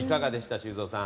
修造さん。